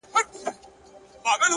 هدف لرونکی ژوند ارزښت لري!.